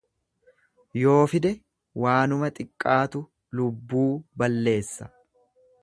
Yoo fide waanuma xiqqaatu lubbuu balleessa.